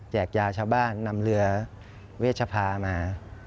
แจกจ่ายาชาวบ้านนำเรือเวชภามา